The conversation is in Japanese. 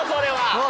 何？